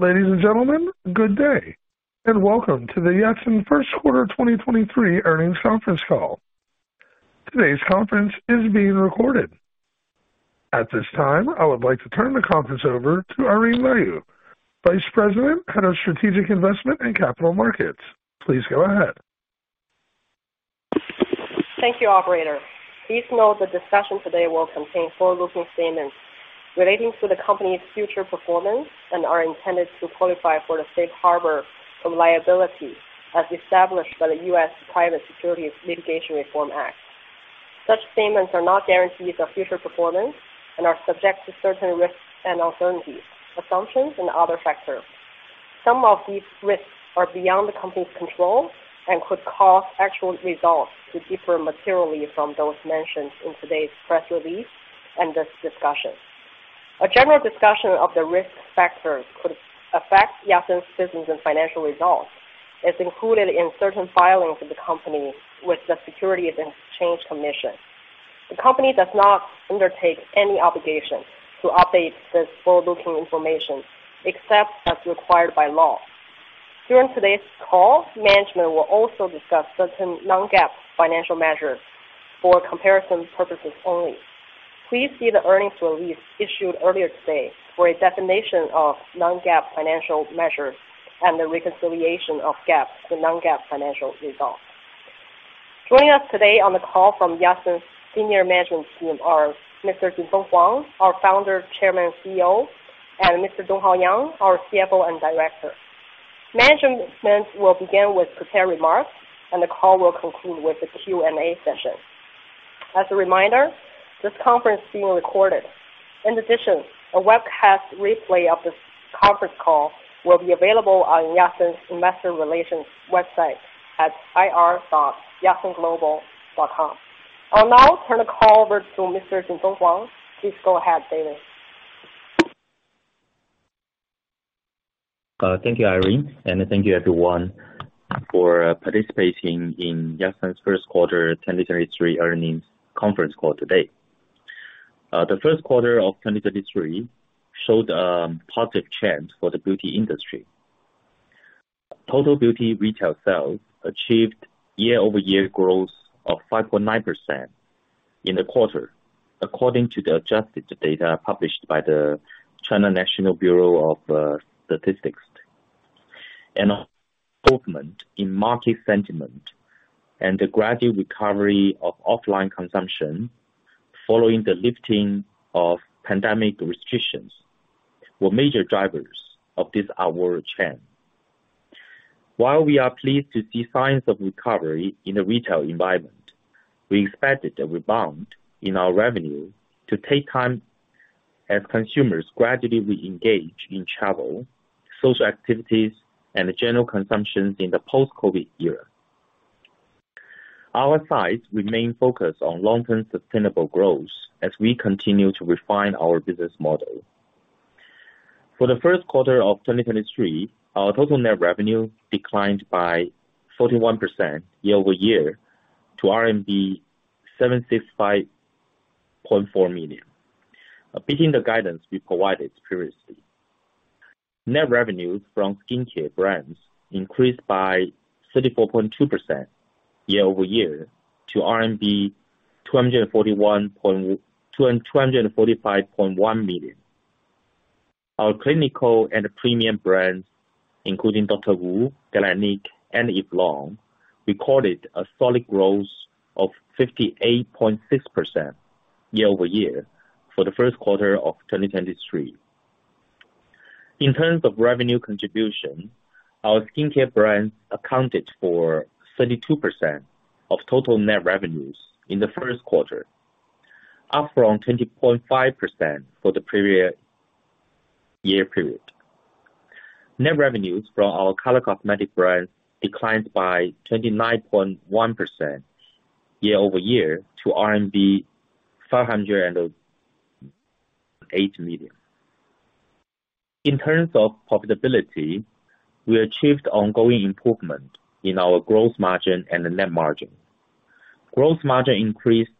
Ladies and gentlemen, good day, welcome to the Yatsen First Quarter 2023 Earnings Conference Call. Today's conference is being recorded. At this time, I would like to turn the conference over to Irene Lyu, Vice President, Head of Strategic Investment and Capital Markets. Please go ahead. Thank you, operator. Please note the discussion today will contain forward-looking statements relating to the company's future performance and are intended to qualify for the safe harbor from liability, as established by the U.S. Private Securities Litigation Reform Act. Such statements are not guarantees of future performance and are subject to certain risks and uncertainties, assumptions and other factors. Some of these risks are beyond the company's control and could cause actual results to differ materially from those mentioned in today's press release and this discussion. A general discussion of the risk factors could affect Yatsen's business and financial results is included in certain filings of the company with the Securities and Exchange Commission. The company does not undertake any obligation to update this forward-looking information except as required by law. During today's call, management will also discuss certain non-GAAP financial measures for comparison purposes only. Please see the earnings release issued earlier today for a definition of non-GAAP financial measures and the reconciliation of GAAP to non-GAAP financial results. Joining us today on the call from Yatsen senior management team are Mr. Jinfeng Huang, our Founder, Chairman, CEO, and Mr. Donghao Yang, our CFO and Director. Management will begin with prepared remarks and the call will conclude with the Q&A session. As a reminder, this conference is being recorded. In addition, a webcast replay of this conference call will be available on Yatsen's Investor Relations website at ir.yatsenglobal.com. I'll now turn the call over to Mr. Jinfeng Huang. Please go ahead, David. Thank you, Irene, and thank you everyone for participating in Yatsen's first quarter 2023 earnings conference call today. The first quarter of 2023 showed a positive trend for the beauty industry. Total beauty retail sales achieved year-over-year growth of 5.9% in the quarter, according to the adjusted data published by the National Bureau of Statistics of China. An improvement in market sentiment and the gradual recovery of offline consumption following the lifting of pandemic restrictions were major drivers of this outward trend. While we are pleased to see signs of recovery in the retail environment, we expect the rebound in our revenue to take time as consumers gradually reengage in travel, social activities and general consumption in the post-COVID era. Our sights remain focused on long-term sustainable growth as we continue to refine our business model. For the first quarter of 2023, our total net revenue declined by 41% year-over-year to RMB 765.4 million, beating the guidance we provided previously. Net revenues from skincare brands increased by 34.2% year-over-year to 245.1 million. Our clinical and premium brands, including DR.WU, Galénic, and Eve Lom, recorded a solid growth of 58.6% year-over-year for the first quarter of 2023. In terms of revenue contribution, our skincare brands accounted for 32% of total net revenues in the first quarter, up from 20.5% for the previous year period. Net revenues from our color cosmetic brands declined by 29.1% year-over-year to RMB 508 million. In terms of profitability, we achieved ongoing improvement in our gross margin and net margin. Gross margin increased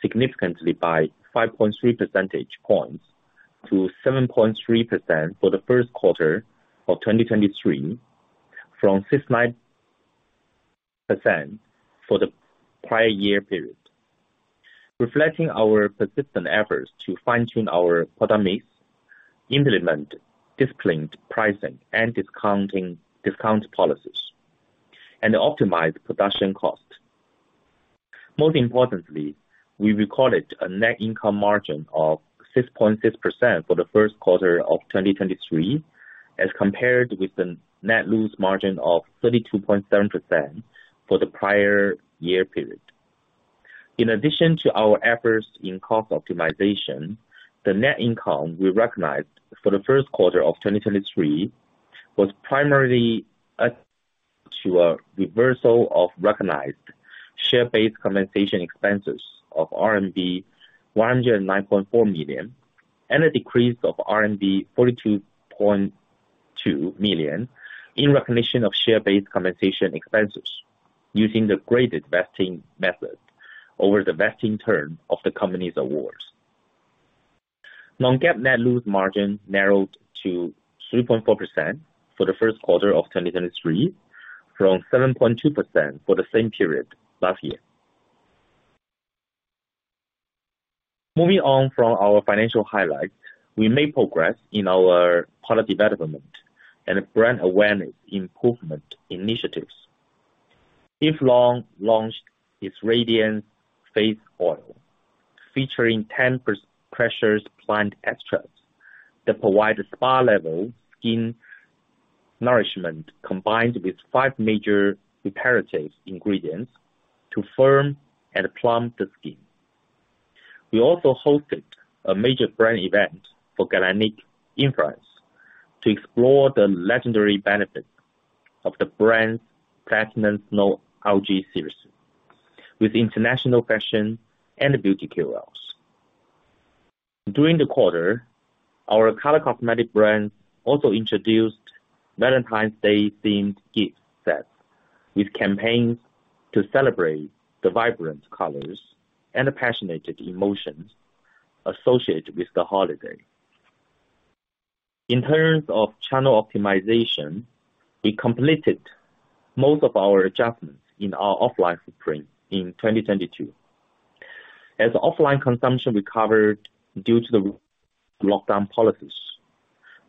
significantly by 5.3 percentage points to 7.3% for the first quarter of 2023 from 6.9% for the prior year period, reflecting our persistent efforts to fine-tune our product mix, implement disciplined pricing and discounting, discount policies, and optimize production costs. Most importantly, we recorded a net income margin of 6.6% for the first quarter of 2023 as compared with the net loss margin of 32.7% for the prior year period. In addition to our efforts in cost optimization, the net income we recognized for the first quarter of 2023 was primarily a reversal of recognized share-based compensation expenses of RMB 109.4 million, and a decrease of RMB 42.2 million in recognition of share-based compensation expenses. Using the graded vesting method over the vesting term of the company's awards. Non-GAAP net loose margin narrowed to 3.4% for the first quarter of 2023, from 7.2% for the same period last year. Moving on from our financial highlights, we made progress in our product development and brand awareness improvement initiatives. Eve Lom launched its Radiant Face Oil, featuring 10 precious plant extracts that provide a spa-level skin nourishment, combined with five major reparative ingredients to firm and plump the skin. We also hosted a major brand event for Galénic in France to explore the legendary benefits of the brand's platinum algae series with international fashion and beauty curators. During the quarter, our color cosmetic brand also introduced Valentine's Day themed gift sets with campaigns to celebrate the vibrant colors and the passionate emotions associated with the holiday. In terms of channel optimization, we completed most of our adjustments in our offline footprint in 2022. As offline consumption recovered due to the lockdown policies,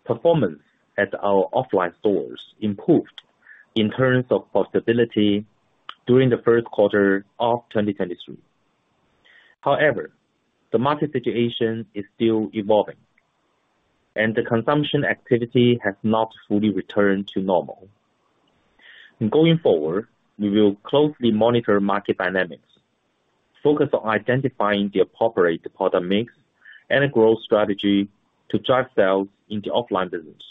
performance at our offline stores improved in terms of profitability during the first quarter of 2023. However, the market situation is still evolving and the consumption activity has not fully returned to normal. Going forward, we will closely monitor market dynamics, focus on identifying the appropriate product mix and growth strategy to drive sales in the offline business,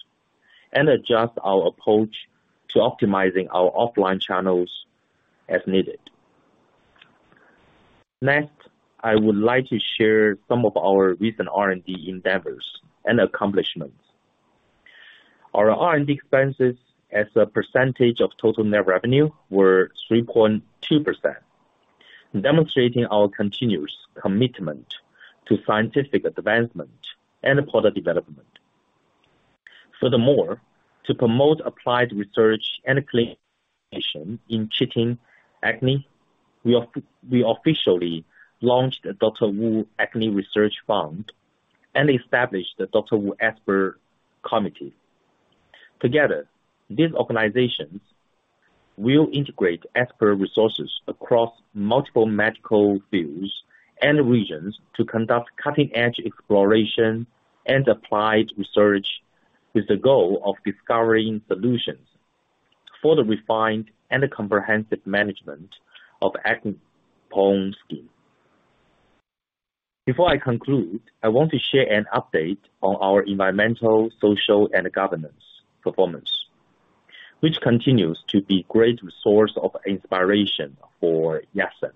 and adjust our approach to optimizing our offline channels as needed. Next, I would like to share some of our recent R&D endeavors and accomplishments. Our R&D expenses as a percentage of total net revenue were 3.2%, demonstrating our continuous commitment to scientific advancement and product development. Furthermore, to promote applied research and clinician in treating acne, we officially launched the DR.WU Acne Research Fund and established the DR.WU Expert Committee. Together, these organizations will integrate expert resources across multiple medical fields and regions to conduct cutting-edge exploration and applied research with the goal of discovering solutions for the refined and comprehensive management of acne-prone skin. Before I conclude, I want to share an update on our environmental, social, and governance performance, which continues to be great source of inspiration for Yatsen.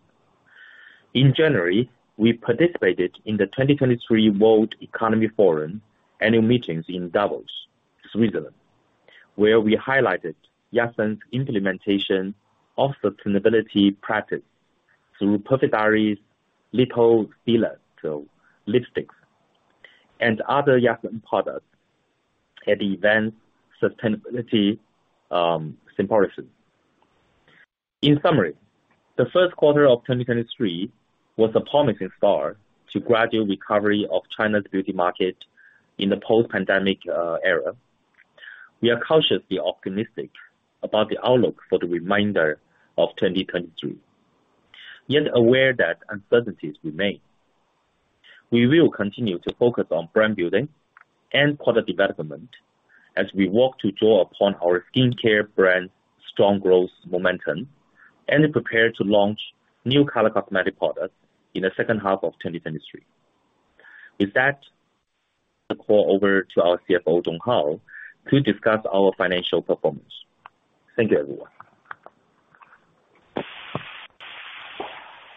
In January, we participated in the 2023 World Economic Forum annual meetings in Davos, Switzerland, where we highlighted Yatsen's implementation of sustainability practice through Perfect Diary's lipo filler, so lipsticks and other Yatsen products at the event's sustainability symposium. In summary, the first quarter of 2023 was a promising start to gradual recovery of China's beauty market in the post-pandemic era. We are cautiously optimistic about the outlook for the remainder of 2023, yet aware that uncertainties remain. We will continue to focus on brand building and product development as we work to draw upon our skincare brand strong growth momentum and prepare to launch new color cosmetic products in the second half of 2023. With that, I'll turn the call over to our CFO, Donghao, to discuss our financial performance. Thank you, everyone.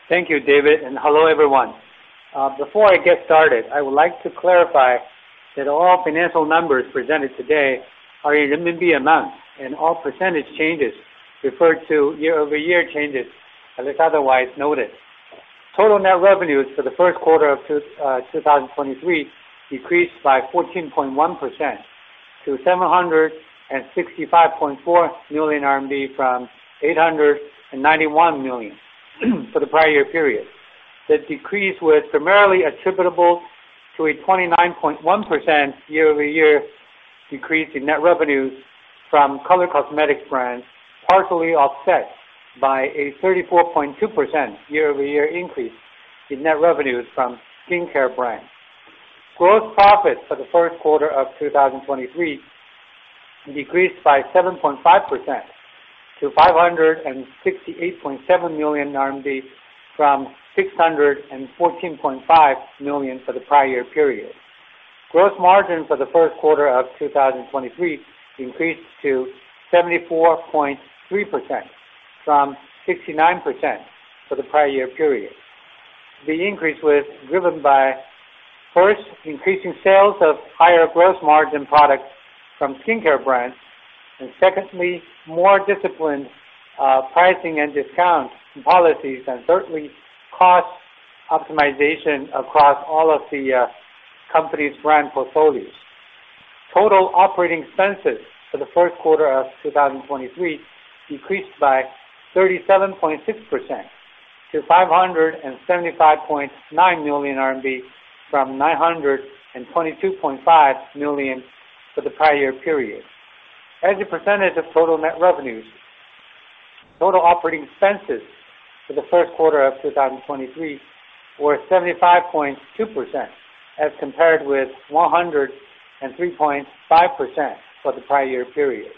Thank you, David. Hello, everyone. Before I get started, I would like to clarify that all financial numbers presented today are in renminbi amount, all percentage changes refer to year-over-year changes unless otherwise noted. Total net revenues for the first quarter of 2023 decreased by 14.1% to 765.4 million RMB from 891 million for the prior year period. This decrease was primarily attributable to a 29.1% year-over-year decrease in net revenues from color cosmetics brands, partially offset by a 34.2% year-over-year increase in net revenues from skincare brands. Gross profit for the first quarter of 2023 decreased by 7.5% to 568.7 million from 614.5 million for the prior year period. Gross margin for the first quarter of 2023 increased to 74.3% from 69% for the prior year period. The increase was driven by, first, increasing sales of higher gross margin products from skincare brands, and secondly, more disciplined pricing and discounts and policies, and certainly cost optimization across all of the company's brand portfolios. Total operating expenses for the first quarter of 2023 decreased by 37.6% to 575.9 million RMB, from 922.5 million for the prior year period. As a percentage of total net revenues, total operating expenses for the first quarter of 2023 were 75.2%, as compared with 103.5% for the prior year period.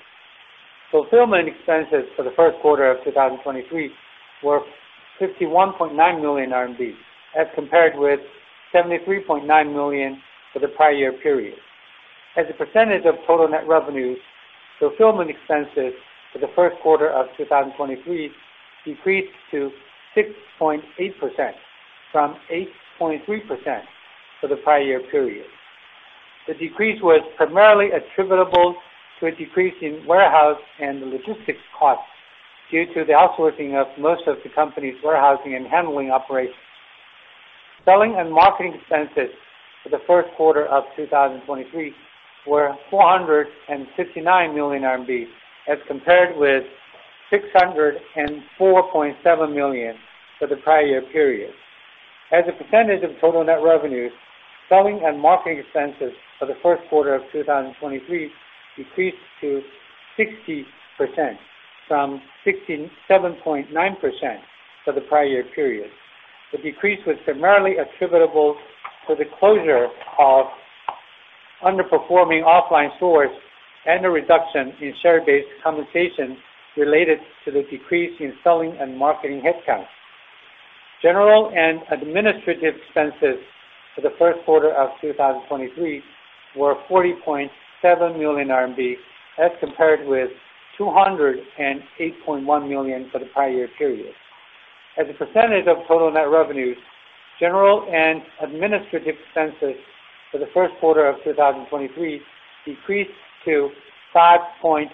Fulfillment expenses for the first quarter of 2023 were 51.9 million RMB, as compared with 73.9 million for the prior year period. As a percentage of total net revenues, fulfillment expenses for the first quarter of 2023 decreased to 6.8% from 8.3% for the prior year period. The decrease was primarily attributable to a decrease in warehouse and logistics costs due to the outsourcing of most of the company's warehousing and handling operations. Selling and marketing expenses for the first quarter of 2023 were 459 million RMB, as compared with 604.7 million for the prior year period. As a percentage of total net revenues, selling and marketing expenses for the first quarter of 2023 decreased to 60% from 67.9% for the prior-year period. The decrease was primarily attributable to the closure of underperforming offline stores and a reduction in share-based compensation related to the decrease in selling and marketing headcount. General and administrative expenses for the first quarter of 2023 were 40.7 million RMB, as compared with 208.1 million for the prior-year period. As a percentage of total net revenues, general and administrative expenses for the first quarter of 2023 decreased to 5.3%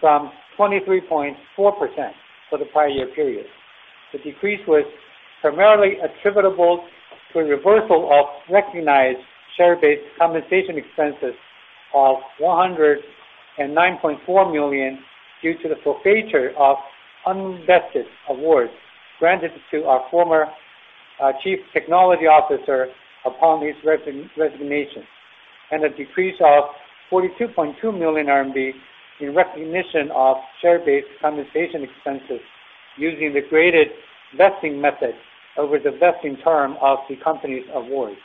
from 23.4% for the prior-year period. The decrease was primarily attributable to a reversal of recognized share-based compensation expenses of 109.4 million due to the forfeiture of unvested awards granted to our former chief technology officer upon his resignation, and a decrease of 42.2 million RMB in recognition of share-based compensation expenses using the graded vesting method over the vesting term of the company's awards.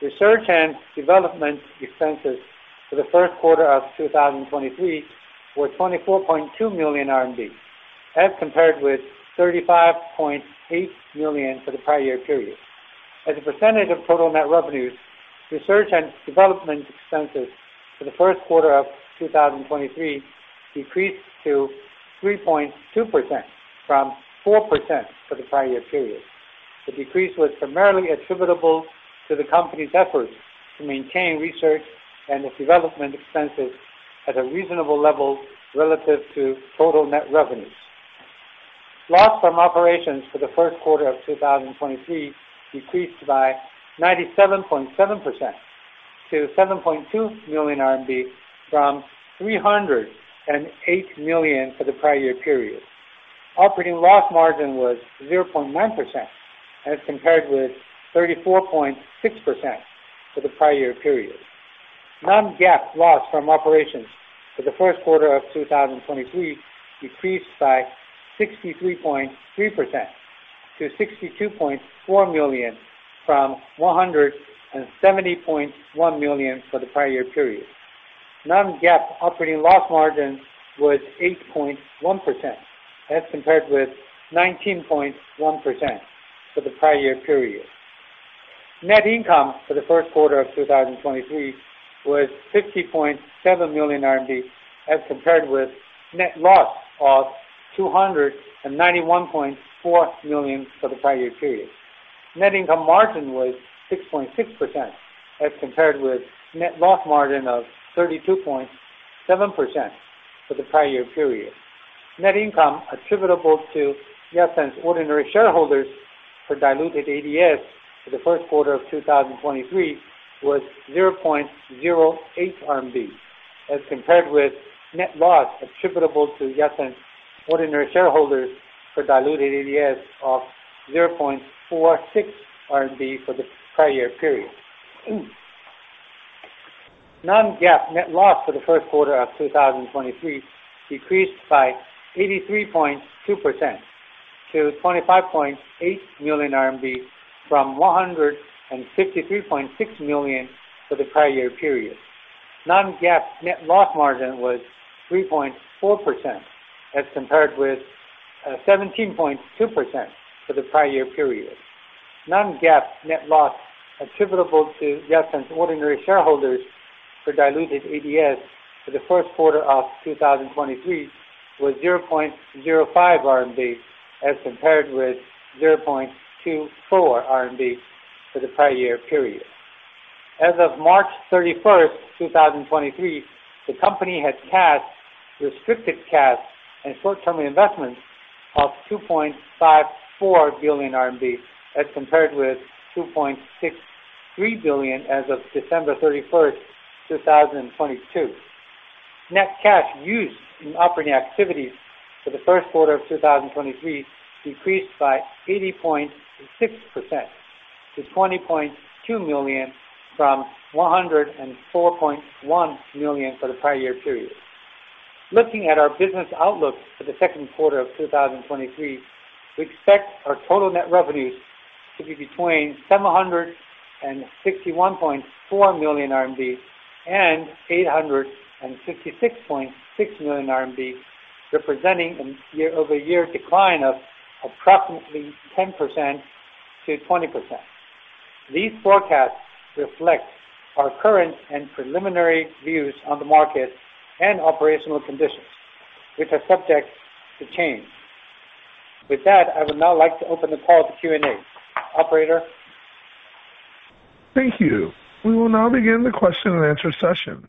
Research and development expenses for the first quarter of 2023 were 24.2 million RMB, as compared with 35.8 million for the prior year period. As a percentage of total net revenues, research and development expenses for the first quarter of 2023 decreased to 3.2% from 4% for the prior year period. The decrease was primarily attributable to the company's efforts to maintain research and development expenses at a reasonable level relative to total net revenues. Loss from operations for the first quarter of 2023 decreased by 97.7% to 7.2 million RMB from 308 million for the prior year period. Operating loss margin was 0.9% as compared with 34.6% for the prior year period. Non-GAAP loss from operations for the first quarter of 2023 decreased by 63.3% to 62.4 million, from 170.1 million for the prior year period. Non-GAAP operating loss margin was 8.1% as compared with 19.1% for the prior year period. Net income for the first quarter of 2023 was 50.7 million RMB as compared with net loss of 291.4 million for the prior year period. Net income margin was 6.6% as compared with net loss margin of 32.7% for the prior year period. Net income attributable to Yatsen's ordinary shareholders per diluted ADS for the first quarter of 2023 was RMB 0.08 as compared with net loss attributable to Yatsen ordinary shareholders per diluted ADS of 0.46 for the prior year period. Non-GAAP net loss for the first quarter of 2023 decreased by 83.2% to RMB 25.8 million from 163.6 million for the prior year period. Non-GAAP net loss margin was 3.4% as compared with 17.2% for the prior year period. Non-GAAP net loss attributable to Yatsen's ordinary shareholders for diluted ADS for the first quarter of 2023 was RMB 0.05 as compared with RMB 0.24 for the prior year period. As of March 31, 2023, the company had cash, restricted cash and short-term investments of 2.54 billion RMB as compared with 2.63 billion as of December 31, 2022. Net cash used in operating activities for the first quarter of 2023 decreased by 80.6% to 20.2 million from 104.1 million for the prior year period. Looking at our business outlook for the second quarter of 2023, we expect our total net revenues to be between 761.4 million RMB and 866.6 million RMB, representing a year-over-year decline of approximately 10%-20%. These forecasts reflect our current and preliminary views on the market and operational conditions, which are subject to change. With that, I would now like to open the call to Q&A. Operator? Thank you. We will now begin the question and answer session.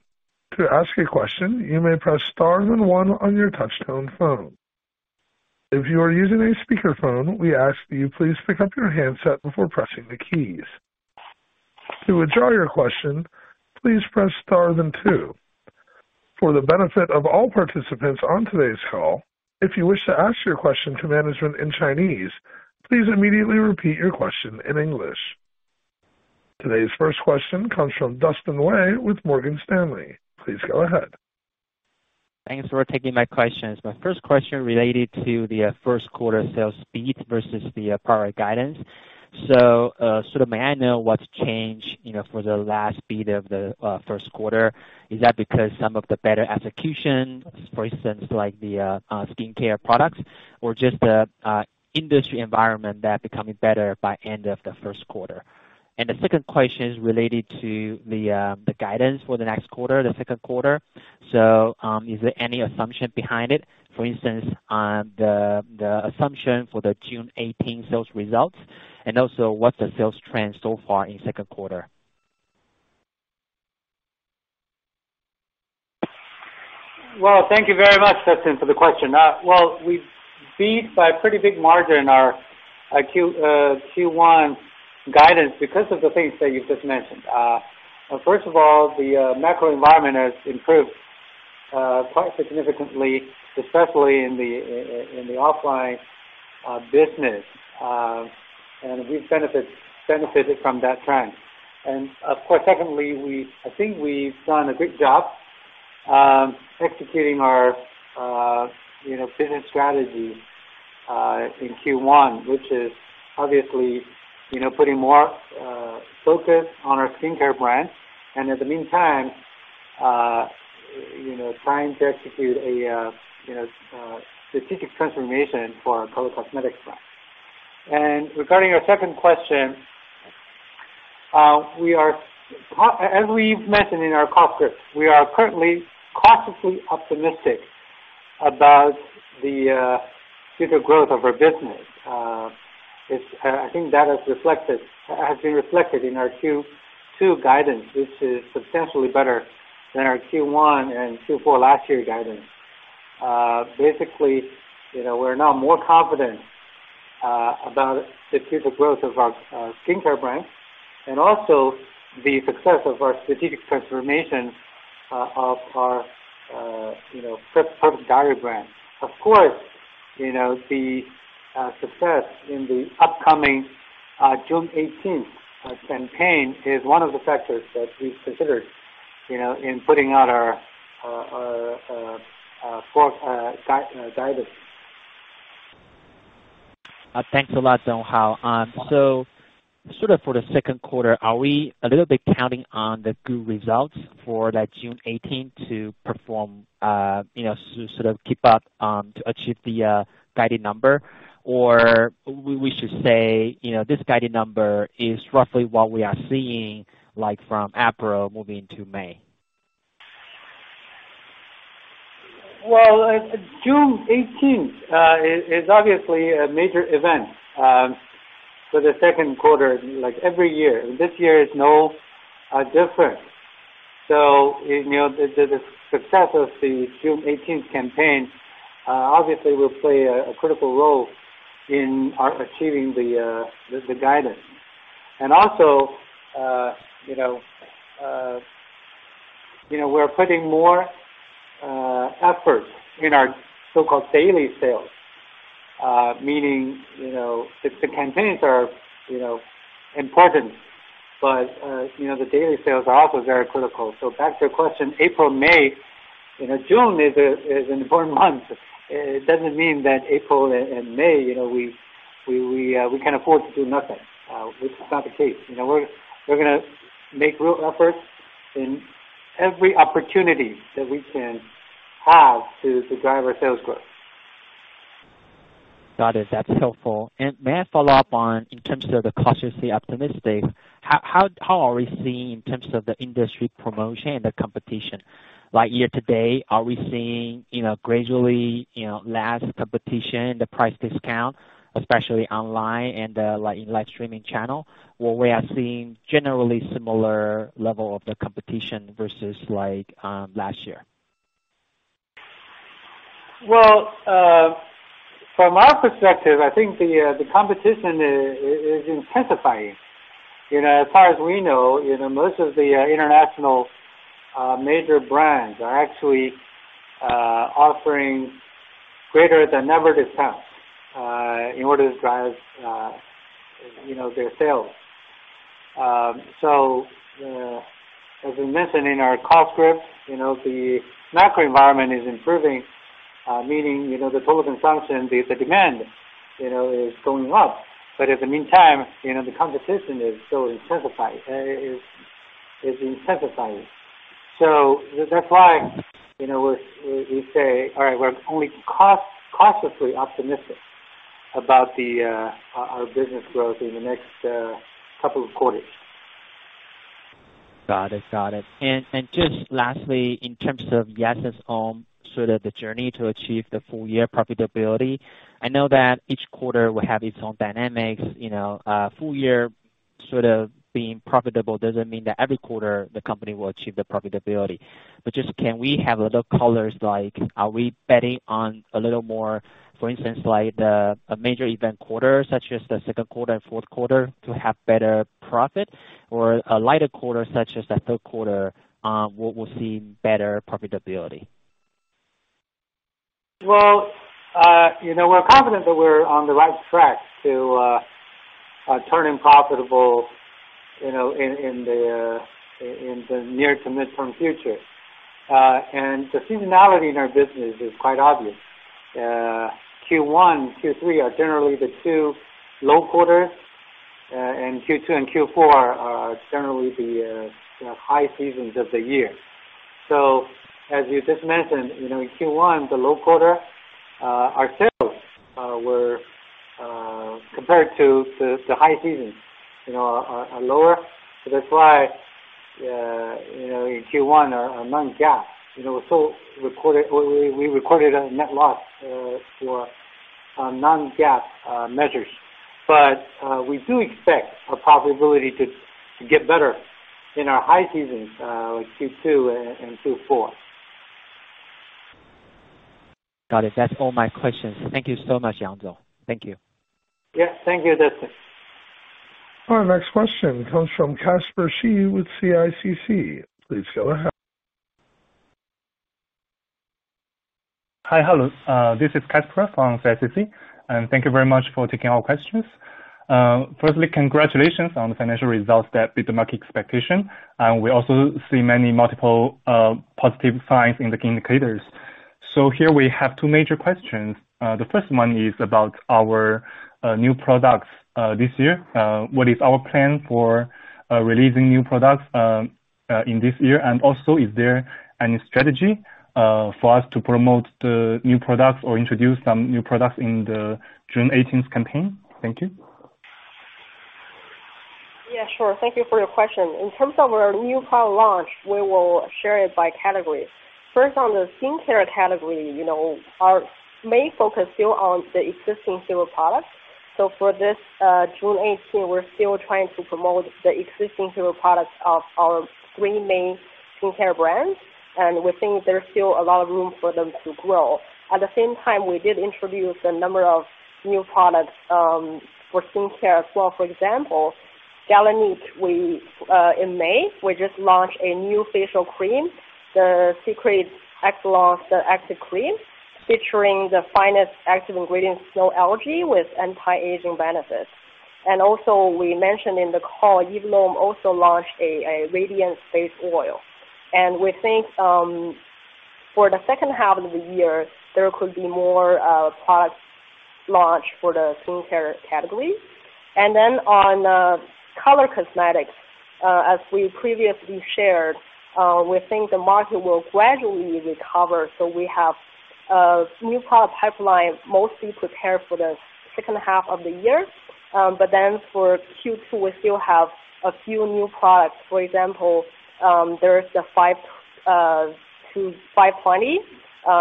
To ask a question, you may press Star and 1 on your touchtone phone. If you are using a speakerphone, we ask that you please pick up your handset before pressing the keys. To withdraw your question, please press Star then two. For the benefit of all participants on today's call, if you wish to ask your question to management in Chinese, please immediately repeat your question in English. Today's first question comes from Dustin Wei with Morgan Stanley. Please go ahead. Thanks for taking my questions. My first question related to the first quarter sales beat versus the prior guidance. Sort of may I know what's changed, you know, for the last beat of the first quarter? Is that because some of the better execution, for instance, like the skincare products or just the industry environment that becoming better by end of the first quarter? The second question is related to the guidance for the next quarter, the second quarter. Is there any assumption behind it, for instance, on the assumption for the June 18th sales results? What's the sales trend so far in second quarter? Well, thank you very much, Dustin, for the question. Well, we beat by a pretty big margin our Q1 guidance because of the things that you've just mentioned. First of all, the macro environment has improved quite significantly, especially in the offline business. We've benefited from that trend. Of course, secondly, I think we've done a great job executing our, you know, business strategy in Q1, which is obviously, you know, putting more focus on our skincare brand and in the meantime, you know, trying to execute a, you know, strategic transformation for our color cosmetics brand. Regarding your second question, as we've mentioned in our call script, we are currently cautiously optimistic about the future growth of our business. It's, I think that is reflected, has been reflected in our Q2 guidance, which is substantially better than our Q1 and Q4 last year guidance. Basically, you know, we're now more confident about the future growth of our skincare brand and also the success of our strategic transformation of our, you know, lip product diary brand. Of course, you know, the success in the upcoming June 18th campaign is one of the factors that we've considered, you know, in putting out our, our fourth guidance. Thanks a lot, Donghao. Sort of for the second quarter, are we a little bit counting on the good results for the June 18th to perform, you know, sort of keep up, to achieve the guided number? We should say, you know, this guided number is roughly what we are seeing, like from April moving to May? Well, June 18th is obviously a major event for the second quarter, like every year. This year is no different. You know, the success of the June 18th campaign obviously will play a critical role in our achieving the guidance. Also, you know, we're putting more effort in our so-called daily sales, meaning, you know, the campaigns are, you know, important, but, you know, the daily sales are also very critical. Back to your question, April, May, you know, June is an important month. It doesn't mean that April and May, you know, we can afford to do nothing, which is not the case. You know, we're gonna make real efforts in every opportunity that we can have to drive our sales growth. Got it. That's helpful. May I follow up on in terms of the cautiously optimistic, how are we seeing in terms of the industry promotion and the competition? Like year-to-date, are we seeing, you know, gradually, you know, less competition in the price discount, especially online and, like in live streaming channel? We are seeing generally similar level of the competition versus like last year. Well, from our perspective, I think the competition is intensifying. You know, as far as we know, you know, most of the international major brands are actually offering greater than ever discounts in order to drive, you know, their sales. As we mentioned in our call script, you know, the macro environment is improving, meaning, you know, the total consumption, the demand, you know, is going up. In the meantime, you know, the competition is still intensifying. That's why, you know, we say, all right, we're only cost-cautiously optimistic about our business growth in the next couple of quarters. Got it. Got it. Just lastly, in terms of Yatsen's own sort of the journey to achieve the full year profitability, I know that each quarter will have its own dynamics. You know, a full year sort of being profitable doesn't mean that every quarter the company will achieve the profitability. Just can we have a little colors like are we betting on a little more, for instance, like a major event quarter such as the second quarter and fourth quarter to have better profit or a lighter quarter such as the third quarter, we'll see better profitability? You know, we're confident that we're on the right track to turning profitable, you know, in the near to midterm future. The seasonality in our business is quite obvious. Q1 and Q3 are generally the two low quarters, Q2 and Q4 are generally the, you know, high seasons of the year. As you just mentioned, you know, in Q1, the low quarter, our sales were compared to the high season, you know, are lower. That's why, you know, in Q1 our non-GAAP, you know, we recorded a net loss for non-GAAP measures. We do expect our profitability to get better in our high seasons, like Q2 and Q4. Got it. That's all my questions. Thank you so much, Donghao. Thank you. Yeah. Thank you, Dustin. Our next question comes from Casper Shi with CICC. Please go ahead. Hi. Hello. This is Casper from CICC, thank you very much for taking our questions. Firstly, congratulations on the financial results that beat the market expectation. We also see many multiple positive signs in the key indicators. Here we have two major questions. The first one is about our new products this year. What is our plan for releasing new products in this year? Also is there any strategy for us to promote the new products or introduce some new products in the June 18th campaign? Thank you. Yeah, sure. Thank you for your question. In terms of our new product launch, we will share it by categories. First, on the skincare category, you know, our main focus still on the existing hero products. For this, June 18th, we're still trying to promote the existing hero products of our three main skincare brands, and we think there's still a lot of room for them to grow. At the same time, we did introduce a number of new products for skincare as well. For example, Galénic, we in May, we just launched a new facial cream, the Secret d'Excellence La Crème, featuring the finest active ingredient, snow algae with anti-aging benefits. Also, we mentioned in the call, Eve Lom also launched a Radiant Face Oil. We think for the second half of the year, there could be more products launched for the skincare category. On color cosmetics, as we previously shared, we think the market will gradually recover. We have a new product pipeline mostly prepared for the second half of the year. For Q2, we still have a few new products. For example, there's the 520,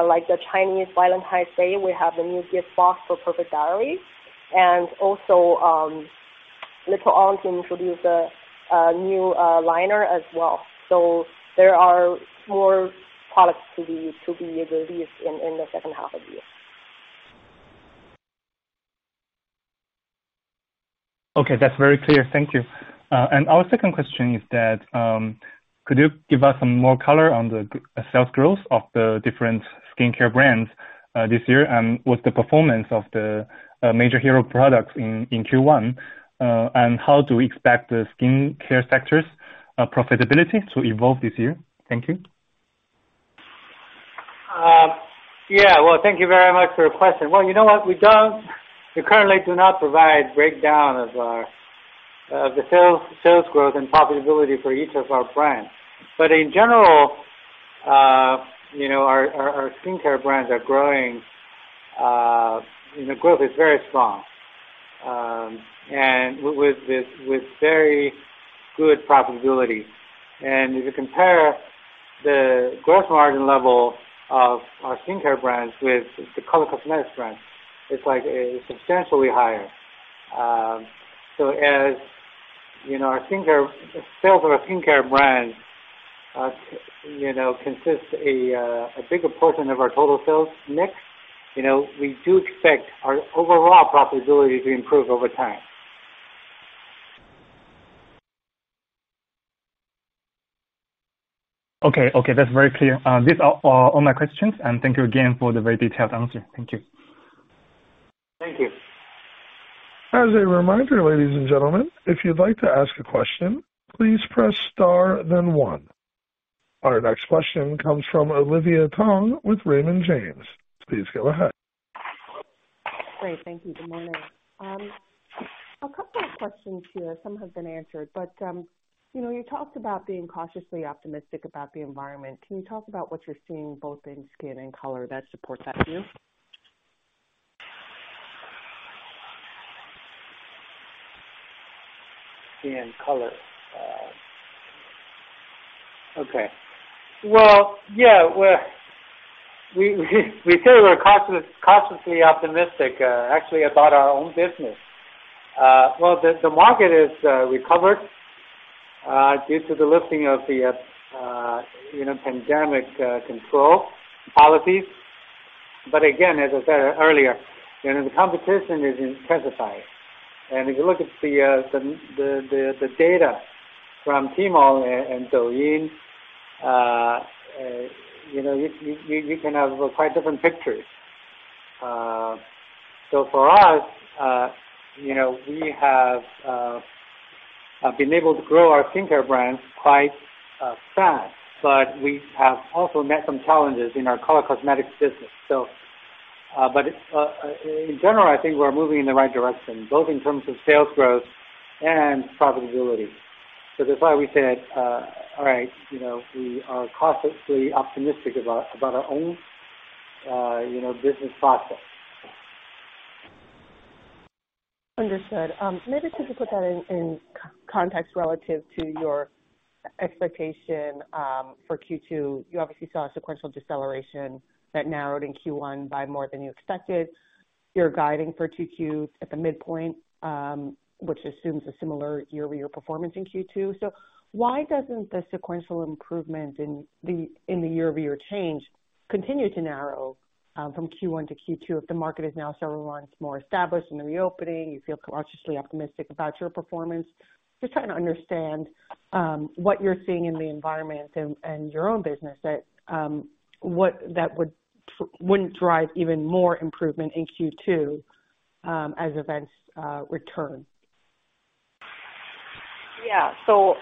like the Chinese Valentine's Day, we have a new gift box for Perfect Diary. Little Ondine to introduce a new liner as well. There are more products to be released in the second half of the year. Okay. That's very clear. Thank you. Our second question is that, could you give us some more color on the sales growth of the different skincare brands this year? What's the performance of the major hero products in Q1? How do we expect the skincare sector's profitability to evolve this year? Thank you. Yeah. Well, thank you very much for your question. Well, you know what? We currently do not provide breakdown of our sales growth and profitability for each of our brands. In general, you know, our skincare brands are growing. The growth is very strong, and with very good profitability. If you compare the gross margin level of our skincare brands with the color cosmetics brands, it's like substantially higher. As, you know, our sales of our skincare brands, you know, consists a bigger portion of our total sales mix. You know, we do expect our overall profitability to improve over time. Okay. Okay. That's very clear. These are all my questions. Thank you again for the very detailed answer. Thank you. Thank you. As a reminder, ladies and gentlemen, if you'd like to ask a question, please press star then one. Our next question comes from Olivia Tong with Raymond James. Please go ahead. Great, thank you. Good morning. A couple of questions here. Some have been answered, but, you know, you talked about being cautiously optimistic about the environment. Can you talk about what you're seeing both in skin and color that supports that view? In color. Okay. Well, yeah, we say we're cautious, cautiously optimistic, actually about our own business. Well, the market is recovered due to the lifting of the, you know, pandemic control policies. Again, as I said earlier, you know, the competition is intensifying. If you look at the data from Tmall and Douyin, you know, you can have quite different pictures. For us, you know, we have been able to grow our skincare brands quite fast. We have also met some challenges in our color cosmetics business. In general, I think we're moving in the right direction, both in terms of sales growth and profitability. That's why we said, all right, you know, we are cautiously optimistic about our own, you know, business prospects. Understood. Maybe can you put that in context relative to your expectation for Q2? You obviously saw a sequential deceleration that narrowed in Q1 by more than you expected. You're guiding for 2Q at the midpoint, which assumes a similar year-over-year performance in Q2. Why doesn't the sequential improvement in the, in the year-over-year change continue to narrow from Q1 to Q2 if the market is now several months more established in the reopening, you feel cautiously optimistic about your performance? Just trying to understand what you're seeing in the environment and your own business that what that wouldn't drive even more improvement in Q2 as events return.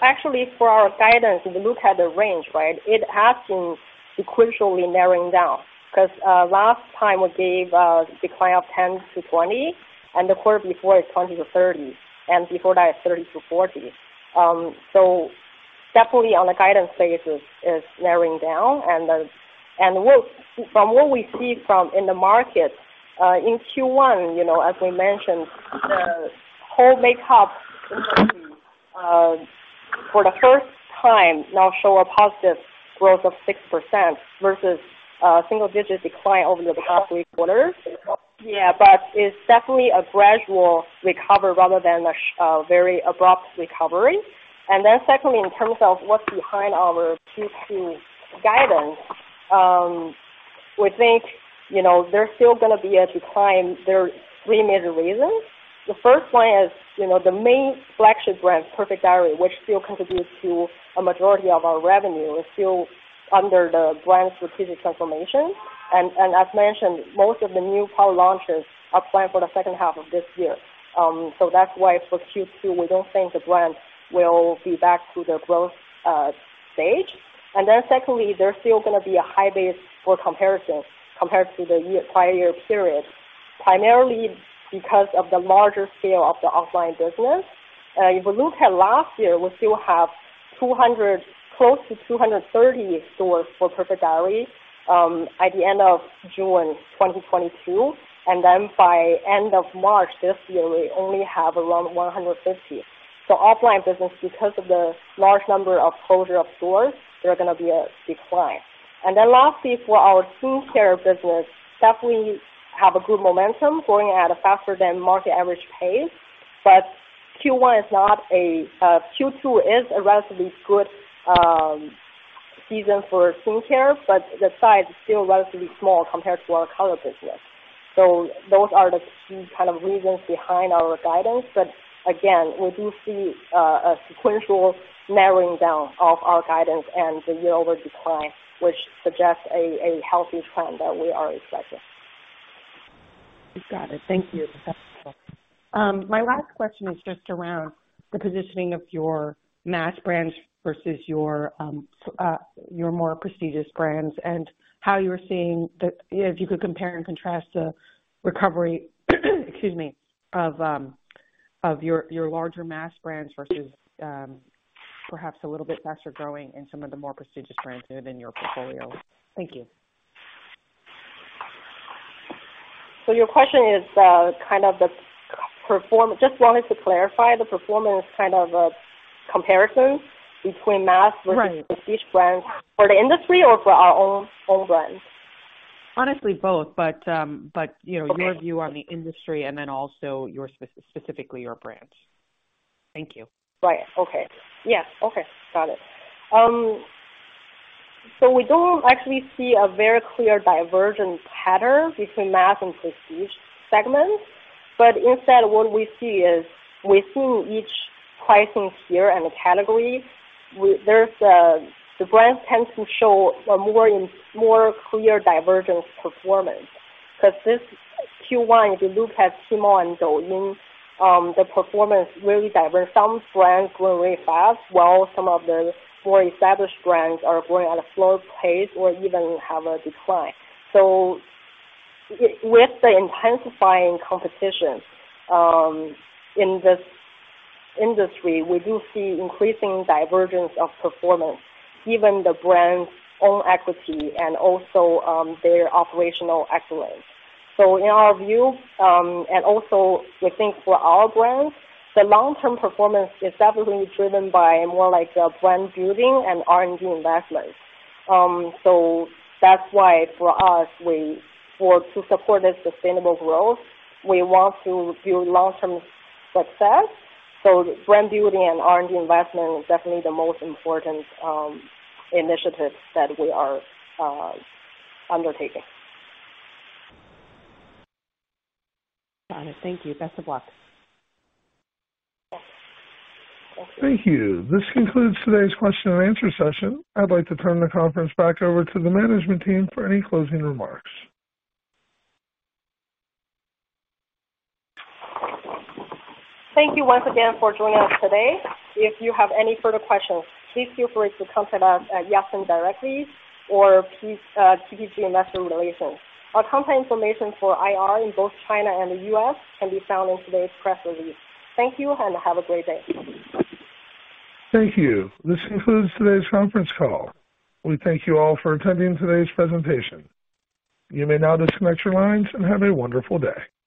Actually for our guidance, if you look at the range, right, it has been sequentially narrowing down 'cause last time we gave a decline of 10%-20%, and the quarter before it, 20%-30%, and before that, 30%-40%. Definitely on the guidance phase, it's narrowing down. From what we see from in the market, in Q1, you know, as we mentioned, the whole makeup industry, for the first time now show a positive growth of 6% versus single digit decline over the past three quarters. It's definitely a gradual recover rather than a very abrupt recovery. Secondly, in terms of what's behind our Q2 guidance, we think, you know, there's still gonna be a decline. There are three major reasons. The first one is, you know, the main flagship brand, Perfect Diary, which still contributes to a majority of our revenue, is still under the brand strategic transformation. As mentioned, most of the new product launches are planned for the second half of this year. That's why for Q2, we don't think the brand will be back to the growth stage. Secondly, there's still gonna be a high base for comparison compared to the prior year period, primarily because of the larger scale of the offline business. If you look at last year, we still have 200, close to 230 stores for Perfect Diary, at the end of June 2022. By end of March this year, we only have around 150. Offline business, because of the large number of closure of stores, there are gonna be a decline. Lastly, for our skincare business, definitely have a good momentum growing at a faster than market average pace. Q1 is not a, Q2 is a relatively good season for skincare, but the size is still relatively small compared to our color business. Those are the key kind of reasons behind our guidance. Again, we do see a sequential narrowing down of our guidance and the year-over-year decline, which suggests a healthy trend that we are expecting. Got it. Thank you. My last question is just around the positioning of your mass brands versus your more prestigious brands and how you're seeing if you could compare and contrast the recovery, excuse me, of your larger mass brands versus- Perhaps a little bit faster growing in some of the more prestigious brands within your portfolio. Thank you. Your question is, Just wanted to clarify, the performance kind of a comparison between mass-. Right. versus prestige brands for the industry or for our own brands? Honestly, both. but, you know- Okay. your view on the industry and then also your specifically your brands. Thank you. Right. Okay. Yeah. Okay. Got it. We don't actually see a very clear divergent pattern between mass and prestige segments. Instead what we see is within each pricing tier and category, there's the brands tend to show a more in, more clear divergence performance. 'Cause this Q1, if you look at Tmall and Douyin, the performance really diverse. Some brands grow really fast, while some of the more established brands are growing at a slower pace or even have a decline. With the intensifying competition, in this industry, we do see increasing divergence of performance, even the brand's own equity and also their operational excellence. In our view, and also we think for our brands, the long-term performance is definitely driven by more like brand building and R&D investments. That's why for us, to support a sustainable growth, we want to build long-term success. Brand building and R&D investment is definitely the most important initiative that we are undertaking. Got it. Thank you. Best of luck. Okay. Thank you. This concludes today's question and answer session. I'd like to turn the conference back over to the management team for any closing remarks. Thank you once again for joining us today. If you have any further questions, please feel free to contact us at Yatsen directly or please Piacente Group Investor Relations. Our contact information for IR in both China and the U.S. can be found in today's press release. Thank you, and have a great day. Thank you. This concludes today's conference call. We thank you all for attending today's presentation. You may now disconnect your lines and have a wonderful day.